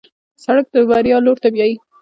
سړک د بریا لور ته بیایي.